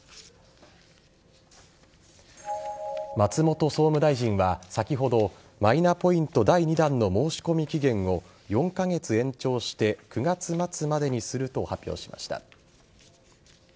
松本総務大臣は先ほどマイナポイント第２弾の申し込み期限を４カ月延長して９月末までにすると発表しました。